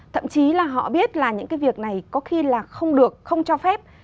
thậm chí là họ biết là những cái việc này có khi là không được không cho phép